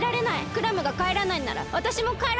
クラムがかえらないんならわたしもかえらないから！